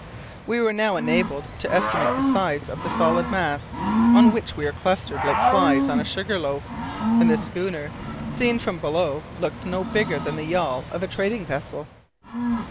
We were now enabled to estimate the size of the solid mass on which we clustered like flies on a sugar loaf, and the schooner, seen from below, looked no bigger than the yawl of a trading vessel.